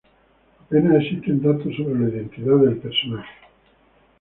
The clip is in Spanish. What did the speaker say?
Apenas existen datos sobre la identidad del personaje.